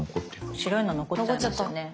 白いの残っちゃいますよね。